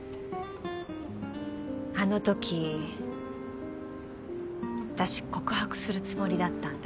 あの時私告白するつもりだったんだ。